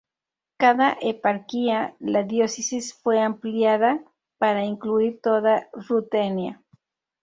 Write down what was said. Como eparquía la diócesis fue ampliada para incluir toda Rutenia.